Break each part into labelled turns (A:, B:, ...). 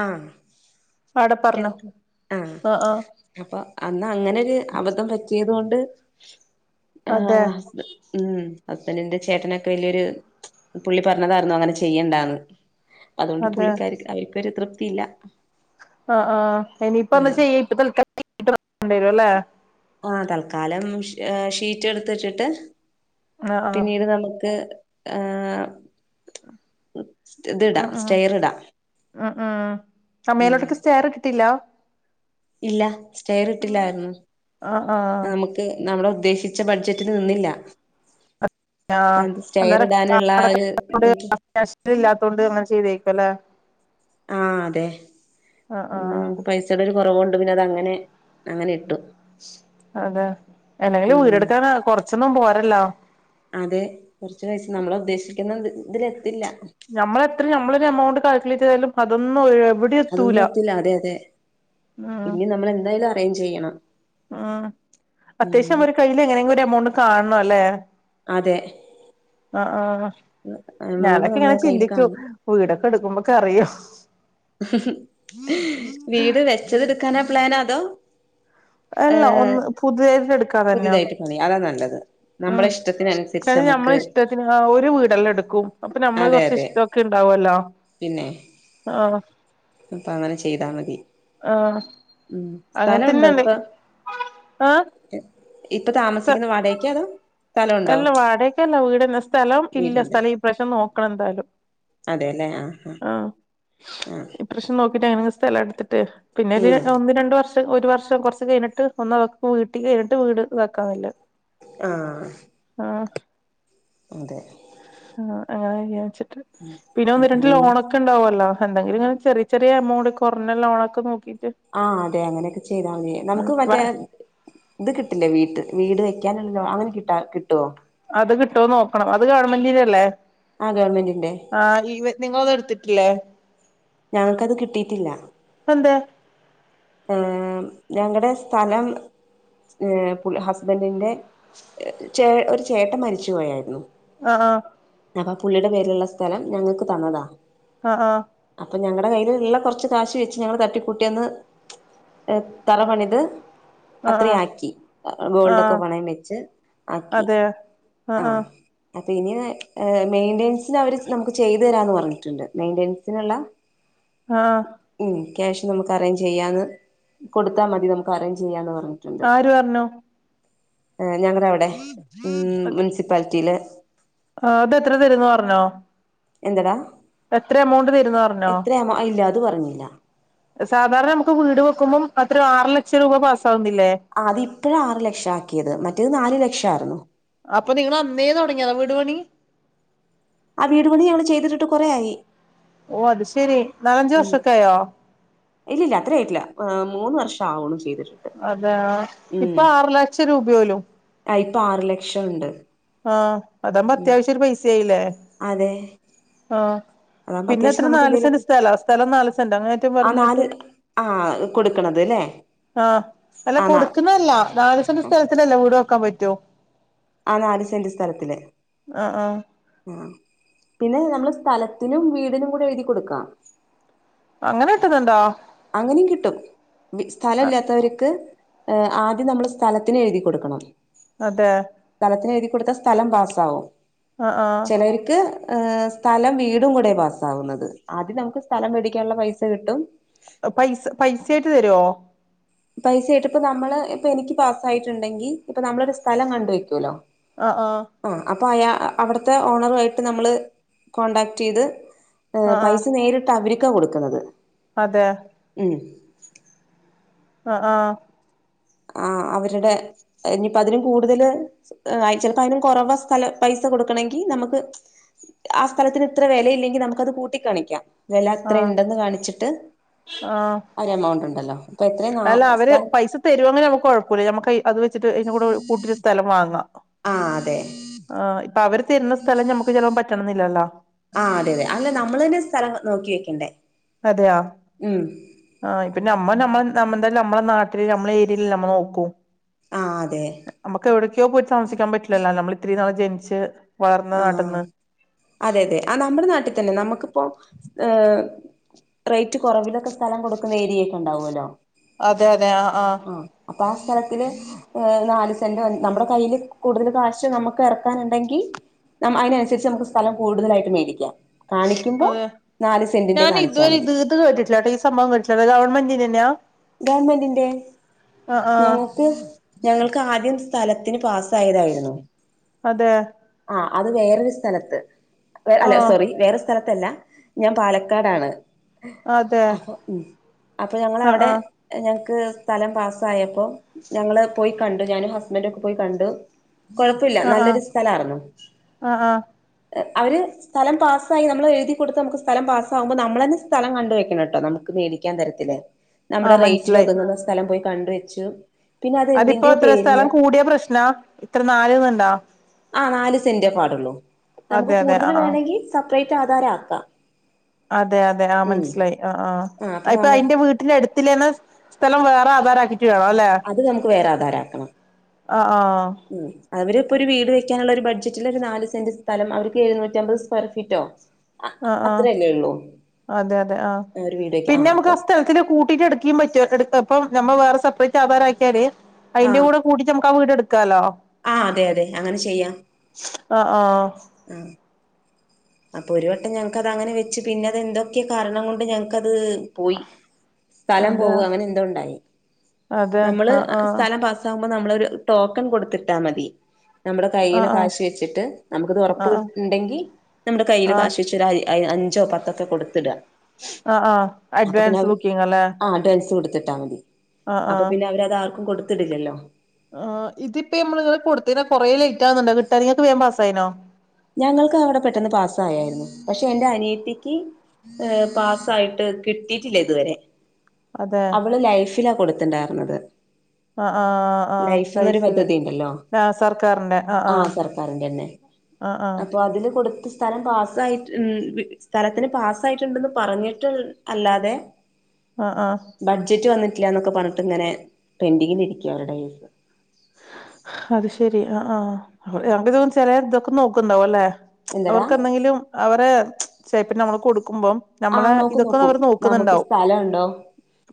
A: ആഹ്
B: അടെ പർഞ്ഞോ
A: കേൾക്ക
B: ആഹ് ആഹ്
A: അപ്പൊ അന്ന് അങ്ങനൊരു അബദ്ധം പറ്റിയത് കൊണ്ട്
B: അതെ
A: ആഹ് ഉം ഹസ്ബന്റിന്റെ ചേട്ടനൊക്കെ വലിയൊരു പുള്ളി പറഞ്ഞതായിരുന്നു അങ്ങനെ ചെയ്യണ്ടാന്ന് അതുകൊണ്ട്
B: അതെ
A: പുള്ളിക്കാരിക്ക അവര്ക്കൊരു തൃപ്തിയില്ല
B: ആഹ് ആഹ് ഇനിയിപ്പം എന്താ
A: ആഹ്
B: ചെയ്യാ ഇപ്പ തൽക്കാലത്തേക്ക് [unintelligible] അല്ലേ
A: ആഹ് തൽക്കാലം ഷീറ്റ് ഇട്ത്തിട്ടിട്ട്
B: ആ ആ
A: പിന്നീട് നമുക്ക് ഹേ ഇത്ടാ
B: ഉം ഉം
A: സ്റ്റെയറ്ടാ
B: ഉം ഉം അമ്മേലോട്ടെക്ക് സ്റ്റെയർ കിട്ടില്ല
A: ഇല്ല സ്റ്റെയറ് ഇട്ടില്ലായിരുന്നു.
B: ആ ആ
A: നമുക്ക് നമ്മള് ഉദ്ദേശി ച്ച ബഡ്ജറ്റില് നിന്നില്ല
B: ആഹ്
A: അത് സ്റ്റെയർ
B: അന്നേരം
A: ഇടാനുള്ള
B: [unintelligible]
A: ഒരു
B: അങ്ങനെ ചെയ്ത് പല
A: ആഹ് അതെ
B: ആ
A: നമുക്ക് പൈസയുടെ ഒരു കോറവുണ്ട് പിന്നെ അത അങ്ങനെ അങ്ങനെ ഇട്ടു
B: അതെ എന്നെങ്കിലും
A: ഉം
B: വീടെടുക്കാനാണ് കൊർച്ചൊന്നും പോരല്ലോ?
A: അതെ കോർച്ച് വയസ്സ് നമ്മള് ഉദ്ദേശിക്കുന്ന ഇതിലെത്തില്ല
B: നമ്മളെത്ര നമ്മളൊരു [unintelligible]
A: അതൊന്നും എത്തില്ല അതെ അതെ പിന്നെ നമ്മൾ എന്തായാലും അറേഞ്ച് ചെയ്യണം.
B: ആഹ്
A: ഉം
B: അത്യാവശ്യം നമ്മരെ കയ്യില് എങ്ങനെങ്കിലും ഒരു എമൗണ്ട് കാണണം ല്ലെ
A: അതെ
B: ആഹ് ആഹ്
A: എമൗണ്ട്
B: ഞാനൊക്കെ
A: നമ്മളെ
B: ഇങ്ങനെ
A: കയ്യിൽ
B: ചിന്തിച്ചു
A: കാണും
B: വീടൊക്കെ എടുക്കുമ്പോ കറിയോ
A: വീട് വെച്ചത് എടുക്കാനാ പ്ലാന് അതോ?
B: അല്ല
A: ഏഹ്
B: ഒന്ന് പുതിയതായിട്ട് എടുക്കാ തന്നെയോ
A: പുതിയതായിട്ട് പണിയാ അതാ നല്ലത്
B: ഉം
A: നമ്മുടെ ഇഷ്ടത്തിനനുസരിച്ച്
B: അത്
A: നമുക്ക്
B: നമ്മളെ ഇഷ്ടത്തിന് ഒര് വീടെല്ലെ എടുക്കൂ അപ്പ നമ്മള്
A: അതെ
B: കൊർച്ച്
A: അതെ
B: ഇഷ്ടൊക്കെ ഇണ്ടാവും ഓല്ലാ
A: പിന്നെ
B: ആഹ്
A: ഞ് പ്പഅങ്ങനെ ചെയ്താ മതി
B: ആഹ്
A: ഉം
B: അങ്ങനെ
A: സ്ഥലംണ്ടോ
B: തന്നെയല്ലേ
A: ഇപ്പ
B: ആഹ്
A: ഇപ്പ താമസിക്ന്ന വാടയ്ക്കാ അതോ? സ്ഥലമുണ്ടോ
B: അല്ല വാടൊക്കല്ല വീടെനെ സ്ഥലം ഇല്ല
A: വീടുണ്ട്
B: സ്ഥലം ഇപ്രവശ്യം നോക്കണം എന്തായാലും ആഹ്
A: ആഹ് ആഹ്
B: ഇപ്രാവശ്യം നോക്കിട്ട് ഞാനങ്ങനെ സ്ഥലം എടുത്തിട്ട് പിന്നെ
A: ഉം
B: ഒന്ന് രണ്ട് വർഷം ത്ത് ഒരു വർഷം കുറച്ച് കഴിഞ്ഞിട്ട് ഒന്ന് അവക്ക് വീട്ടി കഴിഞ്ഞിട്ട് വീട് വെക്കാവല്ലോ
A: ആഹ്
B: ആഹ്
A: അതെ
B: ആഹ് അങ്ങനെ വെച്ചിട്ട് പിന്നെ ഒന്ന്
A: അപ്പൊ
B: രണ്ട്
A: പിന്നെ
B: ലോണൊക്കെ ഇണ്ടാവല്ലോ എന്തെങ്കിലുംങ്ങനെ ചെറിയ ചെറിയ എമൗണ്ടൊക്ക കുറഞ്ഞ ലോണൊക്കെ നോക്കി
A: ആഹ് അതെ അങ്ങനെയൊക്കെ ചെയ്താ മതി നമുക്ക്
B: വ
A: മറ്റേ ഇത് കിട്ടില്ലേ വീട്ട് വീട് ക്കാൻ പിന്നെ അങ്ങനെ കിട്ട് കിട്ടുവോ
B: അത് കിട്ടുവോന്നു നോക്കണം അത് ഗവൺമെന്റിന്ന് അല്ലെ
A: ആഹ് ഗവൺമെന്റിന്റെ
B: ആ ഇവ നിങ്ങളത് എടുത് ട്ടില്ലേ
A: ഞങ്ങക്കത് കിട്ടിയിട്ടില്ല
B: അതെന്തേ
A: ഏഹ് ഞങ്ങടെ സ്ഥലം പുൽ ഹസ്ബന്റിന്റെ ചേ ഒരു ചേട്ടൻ മരിച്ചുപോയായിരുന്നു.
B: ആഹ് ആഹ്
A: അപ്പ പുള്ളിയുടെ പേരിലുള്ള സ്ഥലം ഞങ്ങക്ക് തന്നതാ
B: ആഹ് ആഹ്
A: അപ്പൊ ഞങ്ങടെ കയ്യില്ള്ള കൊർച്ച് കാശ് വെച്ച് ഞങ്ങള് തട്ടിക്കൂട്ടിന്ന് തറ പണിത്
B: ആഹ് ആഹ്
A: അത്രയ് ആക്കി
B: ആഹ്
A: ഗോൾഡൊക്കെ പണയം വെച്ച് ആക്കി
B: അതെ ആഹ് ആഹ്
A: അപ്പൊ ഇനി മെയിന്റനൻസിന് അവര് നമുക്ക് ചെയ്തു തരാന്ന് പറഞ്ഞിട്ടുണ്ട് മെയിന്റനസിനുള്ള
B: ആഹ്
A: ക്യാഷ് നമുക്ക് അറേഞ്ച് ചെയ്യാന് കൊടുത്താ മതി നമുക്ക് അറേഞ്ച് ചെയ്യാന്ന് പറ
B: ആര് പർഞ്ഞു
A: ആ ഞങ്ങള അവിടെ ഉ മുനിസിപ്പാലിറ്റിയില്
B: ആഹ് അതെത്ര തരന്ന് പറഞ്ഞോ
A: എന്തടാ
B: എത്ര എമൗണ്ട് തരുന്ന് പർഞ്ഞോ
A: എത്രയാമോ ഇല്ല അത് പറഞ്ഞില്ല.
B: സാധാരണ നമുക്ക് വീട് വെക്കുമ്പോം അത്രം ആറ് ലക്ഷം രൂപ പാസ്
A: ആഹ് അത് ഇപ്പഴ ആറു ലക്ഷം ആക്കിയത് മറ്റേത് നാലു ലക്ഷ ആരുന്നു
B: അപ്പൊ നിങ്ങ അന്നേ തുടങ്ങിയതാ വീട് പണി
A: ആ വീടുപണി ഞങ്ങൾ ചെയ്തിട്ടിട്ട് കൊറെയായി
B: ഓ അത് ശരി
A: ഉം ഇല്ലില്ല അത്ര ആയിട്ടില്ല മൂന്ന് വർഷം ആവണു ചെയ്ത
B: അതെ ഇപ്പൊ ആറു ലക്ഷം രൂപോലും
A: ആ ഇപ്പ ആറ് ലക്ഷംഉണ്ട്
B: ആഹ് അതാവുമ്പ അത്യാവശ്യം ഒരു പൈസ ആയില്ലേ
A: അതെ
B: ആഹ്
A: അതാകുമ്പോ
B: പിന്നെ
A: അത്യാവശ്യം
B: എത്ര
A: നമുക്ക്
B: നാല് സെന്റ
A: എന്തേലുമൊക്കെ
B: സ്ഥലം സ്ഥലം നാലു സെന്റ അങ്ങനെറ്റും
A: ആ നാല്
B: പറീനെറ്റു.
A: ആ കൊടുക്കണത് അല്ലേ
B: ആഹ് അല്ല
A: ആ ന
B: കൊടുക്കുന്നതല്ല നാല്സന്റെ സ്ഥലത്തിനല്ല വീട് വെക്കാൻ പറ്റോ?
A: ആ നാല് സെന്റ സ്ഥലത്തില്
B: ആഹ് ആഹ്
A: ആഹ്, പിന്നെ, നമ്മൾ, സ്ഥലത്തിനും, വീടിനും, കൂടെ, എഴുതി, കൊടുക്കണം.
B: അങ്ങനെ കിട്ടുന്നുണ്ടോ?
A: അങ്ങനെയും കിട്ടും സ്ഥലം ഇല്ലാത്തവർക്ക് ആദ്യം നമ്മള് സ്ഥലത്തിന് എഴുതി കൊടുക്കണം
B: അതെ
A: ത്തിന് എഴുതി കൊടുത്ത സ്ഥലം പാസാവും
B: ആഹ് ആഹ്
A: ചിലർക്ക് സ്ഥലം വീടും കൂടെ പാസ്സവുന്നത് ആദ്യം നമുക്ക് സ്ഥലം മേടിക്കാനുള്ള പൈസ കിട്ടും
B: പൈസ പൈസായിട്ട് തരുവോ?
A: പൈസ ഇട്ടിപ്പ നമ്മള് ഇപ്പ എനിക്ക് പാസ്സ യിട്ടുണ്ടെങ്കി ഇപ്പ നമ്മളൊ ഒരു സ്ഥലം കണ്ടുവെക്കുവല്ലോ
B: ആ ആഹ്
A: അപ്പോൾ അയാ അവിടുത്തെ ഓണറുമായിട്ട് നമ്മള് കോടാക്ട് ചെയ്ത് ഏ,
B: ആഹ് ആഹ്
A: പൈസ, നേരിട്ട്, അവരിക്കാ, കൊടുക്കുന്നത്.
B: അതെ
A: ഉം
B: അ, ആഹ്.
A: ആഹ് അവരുടെ ഇനിപ്പ അതിനും കൂടുതൽ ചിലപ്പോ അതിനും കുറവ സ്ഥല പൈസ കൊടുക്കണെങ്കി നമുക്ക് ആഹ് സ്ഥലത്തിന് ഇത്ര വിലയില്ലെങ്കി നമുക്കത് കൂട്ടിക്കാണിക്കാം വില
B: ആഹ്
A: അത്രണ്ടെന്ന് കാണിച്ചിട്ട് ആഹ് ഒരു എമൗണ്ട് ഉണ്ടല്ലോ അപ്പൊ എത്രയും നാ സ്ഥ
B: അനമക്ക് കുഴപ്പില്ല ഞമ്മക്ക് അത് വെച്ചിട്ട് അതിന്റെ കൂടെ കൂട്ടി സ്ഥലം വാങ്ങാം
A: ആഹ് അതെ
B: അപ്പൊ അവര് തരുന്ന സ്ഥലം നമുക്ക് ചില പറ്റണന്നില്ലല്ലോ
A: ആഹ് അതെ അതെ അല്ല നമ്മള് തന്നെ സ്ഥലം നോക്കി വെക്കണ്ടേ
B: അതെയ
A: ഉം
B: ആഹ പിന്നെ അമ്മമ്മ നമ്മെന്തായ നമ്മെ നാട്ടില് നമ്മെ ഏരിയയില്ൽ നമ്മൾ നോക്കും
A: ആ അതെ
B: നമുക്ക് എവിടെടക്കെയോ പോയിട്ട് താമസിക്കാൻ പറ്റില്ലല്ലോ നമ്മൾ ഇത്രരിയും നാളം ജനിച്ചച്ച്
A: ആഹ അതെ അതെ ആ നമ്മുടെ നാട്ടിൽ തന്നെ നമുക്കിപ്പോൊ ഏഹ റേറ്റ് കുറവിലൊക്കെ സ്ഥലം കൊടുുന്ന ഏരിയൊക്കെ ഉണ്ടാവുമല്ലോ
B: അതെ അതെ ആഹ് ആഹ
A: അപ്പ ആ സ്ഥലത്തില് നാല് സെന്റ് നമ്മുടെ കയ്ൽ കൂടുതൽ കാശ് നമുക്ക് ഇറക്കാനുണ്ടെങ്കിൽ ന അതിനനുസരിച്ച് നമുക്ക് സ്ഥലം കൂടുതലായിട്ട് മേടിക്കാം കാണിക്കുമ്പോ
B: അതെ
A: നാല് സെന്റിന്റെ
B: ഞാൻ
A: കാണിച്ചാൽ
B: ഇതുവരെ
A: മതി
B: ഇത് ഇത് കേട്ടിട്ടില്ല കേട്ടോ ഈ സംഭവം കേട്ടിട്ട ഗവൺമെന്റ്
A: ഗവൺമെന്റിന്റെ
B: ആഹ് ആഹ്
A: ഞങ്ങൾക്ക് ഞങ്ങൾക്ക് ആദ്യം സ്ഥലത്തിന് പാ തായിരുന്നു
B: അതെ
A: ആ അത് വേറൊരു സ്ഥലത്ത് വ അല്ലെ
B: ആഹ്
A: സോറി വേറെ സ്ഥലത്തല്ല ഞാൻ പാലക്കാടാണ്
B: അതെ
A: അപ്പൊ അപ്പൊ
B: ആഹ്
A: ഞങ്ങളവിടെ
B: ആഹ്
A: ഞങ്ങക്ക് സ്ഥലം പാസ്സ ആായപ്പോ ഞങ്ങള് പോയി കണ്ടണ്ട് ഞാനൻും ഹസ്ബൻഡ ഒക്കെ പോയി കണ്ടണ്ട് കൊഴപ്പമില്ല
B: ആഹ് ആഹ്
A: നല്ലൊരു സ്ഥല ആന്നു
B: ആഹ് ആഹ്
A: അവ സ്ഥലം പാസായി നമ്മ എഴുതി കൊടുത്ത് നമുക്ക് സ്ഥലം പാസ്സകുമ്പോ നമ്മള തന്നെ സ്ഥലം കണ്ടുവെക്കണം കേട്ടോ നമുക്ക് മേടിക്കാൻ തരത്തില്ല നമ്മുടെ
B: ആഹ്
A: റേറ്റിൽ
B: മനസ്സിലായി
A: ഒതുങ്ങുന്ന സ്ഥലം പോയി കണ്ട വെച്ചു പിന്നെ അത്
B: അതിപ്പോ
A: എന്തിന്റെയോ
B: ഇത്ര സ്ഥലം
A: പേരില്
B: കൂടിയാ പ്രശ്നാ ഇത്ര നാല് ഒന്ന ഇണ്ടാ
A: ആ നാല് സെന്റേ പാടുള്ളൂ നമുക്ക്
B: അതെ അതെ
A: കൂടുതൽ
B: ആഹ് ആഹ്
A: വേണമെങ്കിൽ സെപ്പറേറ്റ് ആധാര ആക്കാം
B: അതെ അതെ ആ
A: ഉം
B: മനസിലായി ആ ആഹ്
A: ആ അപ്പൊ
B: ഇപ്പൊ
A: നമുക്ക്
B: അയിന്റെ വീട്ടിന്റെ അടുത്തിന്ന സ്ഥലം വേറെ ആധാര ആക്കിട്ട ലേ
A: അത് നമുക്ക് വേറെ ആധാരാക്കണം
B: ആഹ ആഹ
A: അവര്പ്പോൊ ഒരു വീട് വെക്കാനുള്ള ഒരു ബഡ്ജറ്റിൽ ഒരു നാല് സെന്റ് സ്ഥം അവർക്ക് എഴുന്നൂറ്റമ്പത് സ്ക്വയർ ഫീറ്റോ
B: ആഹ് ആഹ്
A: അത്രയല്ലേ ഉള്ളൂ
B: അതെ അതെ ആ
A: ഒരു വീട് വെക്ക
B: പിന്നെ നമുക്ക്
A: അപ്പൊ
B: ആ സ്ഥലത്തി കൂട്ടിട്ട് എടുക്ക പറ്റ അപ്പം നമ്മ വേറെ സെപ്പറേറ്റ് ആധാര ആക്കിയാല്
A: ആ
B: അതിന്റെ കൂടെ കൂട്ടി നമുക്ക് ആ വീട് എടുക്കാലോ
A: ആ അതെ അതെ അങ്ങനെ ചെയ്യാം
B: ആഹ് ആഹ്
A: ആഹ അപ്പൊ ഒരു വട്ടം ഞങ്ങക്ക് അത് അങ്ങനെ വെച്ചു പിന്നെ അത്െന്തൊക്കെയ കാരണം കൊണ്ട് ഞങ്ങക്കത് യി സ്ഥലം
B: അതെ
A: പോവ അങ്ങനെ എന്തണ്ടായി
B: അതെ
A: നമ്മള്
B: ആഹ് ആഹ്
A: സ്ഥലം പാ്പ നമ്മളരു ടോക്കൺ കൊടുത്തിട്ടാ മതി നമ്മുടെ കൈൽ
B: ആഹ് ആഹ്
A: കാശ് വെച്ചിട്ട് നമുക്ക്ിത് ഉറപ്പ്
B: ആഹ് ആഹ്
A: കുണ്ടെങ്കി നമ്മുടെ കൈൽ
B: ആഹ്
A: കാശ് വെച്ച് അഞ്ചോ പത്തൊക്കെ കൊടുത്തിട
B: ആഹ് ആഹ്
A: അപ്പൊ പിന്നെ
B: അഡ്വാൻസ്
A: അവര്
B: ബുക്കിംഗ് അല്ലേ
A: ആ അഡ്വാൻസ് കൊടുത്തിട്ട് ട്ടാ മതി
B: ആഹ്
A: അപ്പൊ പിന്നെ അവരത് ആർക്കും കൊടുത്തിടില്ലല്ലോ
B: ആ ഇതിപ്പൊ നമ്മ കൊടുത്തന കൊറെേ ലേറ്റ് ആകുന്നുണ്ടോ കിട്ടാാനങ്ങെ വേൻ പാസായിനോ
A: ഞങ്ങൾക്ക് അവിടെ പെട്ടെന്ന് പാസ്സ ആയായിരുന്നു പക്ഷെ എൻന്റെ അനിയത്തിക്ക് പാസ്സായിട്ട് കിട്ടിട്ടില്ല ഇതുവരെ
B: അതെ
A: അവള് ലൈഫിലാ കൊടുത്തിണ്ടർത്
B: ആഹ് ആഹ് ആഹ്
A: ലൈഫ് എന്നൊരു
B: ലൈഫില്
A: പദ്ധതി ഉണ്ടല്ലോ
B: ആഹ് സർക്കാറിന്റെ ആഹ്
A: ആഹ
B: ആഹ്
A: സർക്കാരിന്റെ തന്നെ
B: ആഹ് ആഹ്
A: അപ്പൊ അതില് കൊടു സ്ഥലം പാസ്് ഉ സ്ഥലത്തിന് പാസ് ആായിട്ടുണ്ടന്ന് പറഞ്ഞിട്ട് അല്ലാതെ [inaudible]
B: ആഹ് ആഹ്
A: ബഡ്ജറ്റ് വന്നിട്ടില്ല എന്നൊക്കെ പറഞ്ഞിട്ട് ഇങ്ങനെ പെൻഡിങ്ങിൽിരിക്കുവ അവരുടെസ്
B: അത് ശെരി ആ ആ അ ഇത ചില ഇതൊക്കെ നോക്കണ്ടാവും അല്ലേ
A: എന്തടാ
B: അവർക്ക് എന്തെങ്കിലും അവരെ പ്പ നമ്മള് കൊടുക്ക നുമ്പം നമ്മളെ
A: ആഹ് നോക്കും
B: ഇതൊക്കെ ഒന്ന്
A: നോക്കും
B: അവർ
A: നമുക്ക്
B: നോക്കുന്നുണ്ടാവും.
A: സ്ഥലണ്ടോ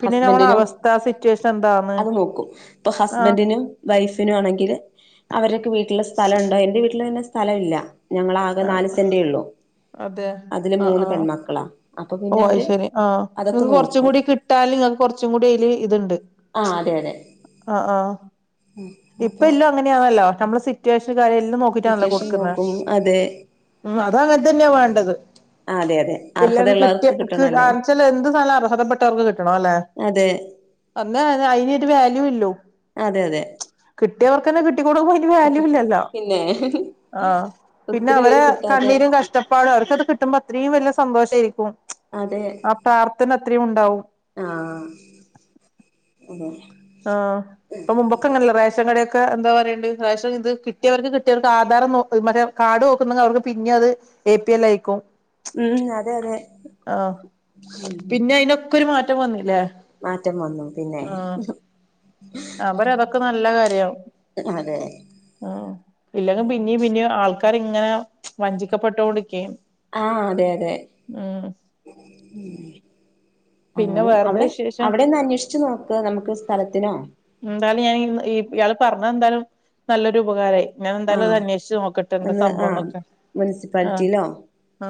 B: പിന്നെ ഞമ്മള
A: ഹസ്ബൻഡിനും
B: അവസ്ഥ സിറ്റുവേഷൻ എന്തന്ന്, ആഹ
A: വൈഫിനു ആണെങ്കിൽ അവരൊക്കെ വീട്ടില സ്ഥലംണ്ടോ എന്റെ വീട്ടിൽ പിന്നെ സ്ഥലംഇല്ല. ഞങ്ങളാകെ നാല് സെന്റേ ഉള്ളൂ,
B: അതെ
A: അതില്
B: ആഹ്
A: മൂന്ന്
B: ആഹ്
A: പെൺമക്കളാ. അപ്പൊ
B: ഓ
A: പിന്നെ അവര്
B: ശരി ആ
A: അതൊക്കെ
B: നിങ്ങക്ക് കുറച്ചും
A: നോക്കും
B: കൂടി കിട്ടാലു നിങ്ങക്ക് കൊറച്ചും കൂടി അതിൽ ഇതുണ്ട്.
A: ആ അതെ അതെ
B: ഇപ്പ
A: അപ്പൊ
B: എല്ലോ അങ്ങനെയാണല്ലോ നമ്മളെ സിറ്റുവേഷൻ കാര്യല്ലാം നോക്കിട്ടാണല്ലോ
A: സിറ്റുവേഷൻ
B: കൊടുക്കുന്നേ,
A: നോക്കും അതെ
B: ഉ അതങ്ങനെ തന്നെയാ വേണ്ടത്
A: അതെ അതെ അർഹതയുള്ള
B: ണച്ചാൽ എന്ത് സാനം അർഹദപെട്ടവർക്ക് കിട്ടണം അല്ലേ
A: അതെ
B: അന്ന അതിനൊരു വാല്യൂ ഉള്ളു
A: അതെ അതെ
B: കിട്ടിയവർക്കന്നെ കിട്ടിക്കൂടുമ്പോ അതിന് വാല്യൂ ഇല്ലല്ലോ.
A: പിന്നെ
B: ആ പിന്നെ
A: ഒത്തിരി പേര്
B: അവരെ
A: കിട്ടാതെ
B: കണ്ണീരും കഷ്ടപ്പാടും അവർക്കത് കിട്ടുമ്പോ അത്രയും വലിയ സന്തോഷം രിക്കും
A: അതെ
B: ആ പ്രാർത്ഥന അത്രയും ഉണ്ടാവും.
A: ഉം
B: ആ ഇപ്പൊ മുമ്പൊക്കെ അങ്ങനെയല്ലെ റേഷൻ കടക്കെ ക്കെ എന്താ പറയണ്ട് റേഷൻ ഇത് കിട്ടിയർക്ക് കിട്ടിയർക്ക് ആധാരം നോ മറ്റേ കാർഡ് നോക്കുന്ന അവർക്ക് പിന്നെ അത് എ പി എൽ അയിക്കും,
A: ഉം അതെ അതെ
B: ആ പിന്നെ അതിനൊക്കെ ഒരു മാറ്റ റ്റം വന്നില്ലേ
A: മാറ്റം വന്നു പിന്നെ
B: ആഹ് അവര് അതൊക്കെ നല്ല കാര്യവും
A: അതെ
B: ഇല്ലെങ്കിൽ പിന്നെയും പിന്നെയും ആൾക്കാർ ഇങ്ങനെ വഞ്ചിക്കപ്പെട്ടോണ്ടിരിക്കും.
A: ആ അതെ അതെ
B: പിന്നെ
A: അങ്ങനെ
B: വേറെന്താ
A: അവിടെ
B: വിശേഷം
A: അവിടെ ഒന്ന് അന്വേഷിച്ച് നോക് നമുക്ക് സ്ഥലത്തിനോ
B: എന്തായാലും ഞാൻ ഇയാള് പറഞ്ഞ എന്തായാലും നല്ലൊരു ഉപകാരമായി. ഞാൻ എന്തായാലും അത്
A: ആഹ്
B: അന്വേഷിച് നോക്കട്ട് എന്ത
A: ഒന്ന്
B: സംഭവം
A: ആഹ്
B: എന്നൊക്കെ. ആ
A: മുനിസിപ്പാലിറ്റിയിലോ
B: ആ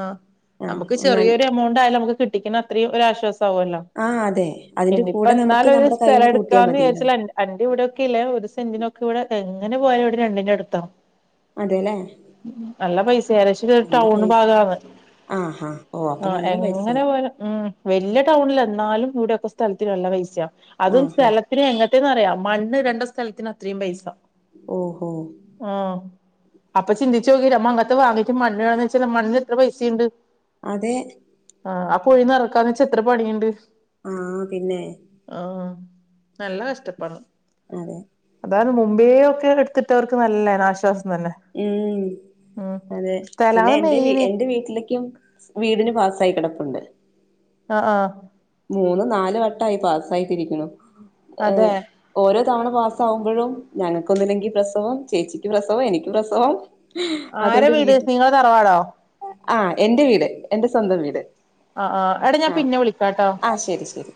A: ആഹ്
B: നമുക്ക്
A: ഒന്ന്
B: ചെറിയൊരു എമൗണ്ട് ആയാലും നമുക്ക് കിട്ടിക്കണ അത്രയും ഒരാശ്വാസം വല്ലോ
A: ആഹ് അതെ അതിന്റെ
B: ഇനിപ്പ
A: കൂടെ നമുക്ക്
B: എന്നാലും ഒരു
A: നമ്മുടെ കയ്യിന്ന് കൂട്ടിയാൽ
B: സ്ഥലെടുക്കാന്ന് വിചാ
A: മതിയല്ലോ
B: അന്റെ ഇവിടെയൊക്കെ ഇല്ലേ ഒരു സെന്റിനൊക്കെ ഇവിടെ എങ്ങനെ പോയാലും ഇവിടെ രണ്ടിന്റെ അടുത്താവും
A: അതെല്ലേ
B: നല്ല പൈസയാ പക്ഷെ
A: നല്ല
B: ടൗൺ
A: പൈസ
B: ഭാഗാന്ന്
A: ആഹാ ഓ അപ്പൊ
B: ആ
A: നല്ല
B: എങ്ങനെ
A: പൈസയായി
B: പോയാലും ഉം വല്യ ടൗണില്ല എന്നാലും ഈടെയൊക്കെ സ്ഥലത്തിന് നല്ല പൈസയാ അതും
A: ആഹാ
B: സ്ഥലത്തിന് എ റ്റന്ന്റിയ മണ്ണ് ഇടേണ്ട സ്ഥലത്തിന് അത്രയും പൈസ
A: ഓഹോ
B: ആ അപ്പൊ ചിന്തിച്ചു നോക്കിയെ നമ്മ അത് വാങ്ങിട്ട് മണ്ണ് ഇടാന്ന് വച്ച മണ്ണിന് എത്ര പൈസയുണ്ട്.
A: അതെ
B: ആ പൊഴി നിറക്കാന്ന് വച്ച എത്ര പണിയുണ്ട്
A: ആ പിന്നെ
B: ആഹ് നല്ല കഷ്ടപ്പെടണം
A: അതെ
B: അതാണ് മ്പേ ഒക്കെ എടുത്തിട്ടവർക്ക് നല്ല ആശ്വാസം തന്നെ
A: ഉം
B: ഉം
A: അതെ പിന്നെ
B: സ്ഥലാണ്
A: എന്റെ
B: മെയിന്
A: എൻ്റെ വീട്ടിലേക്കും വീടിന് പാസ യി കിടപ്പുണ്ട്
B: ആ ആ
A: മൂന്ന് നാല് വട്ടമായി പാസായിട്ട് ഇരിക്കുണു
B: അതെ
A: ഓരോ തവണ പാസ്സാകുംപോഴും ഞങ്ങൾക്കൊന്നുമില്ലെങ്കിൽ പ്രസവം ചേച്ചിക്ക് പ്രസവം എനിക്ക് പ്രസവം
B: ആരെ
A: അതുകൊണ്ട്
B: വീട്
A: വീട്ട
B: നിങ്ങളെ തറവാടോ
A: ആ എന്റെ വീട് എന്റെ സ്വന്തം വീട്
B: ആ ആ എടാ ഞാൻ
A: ആ
B: പിന്നെ വിളിക്കാട്ടോ
A: ആ ശരി ശരി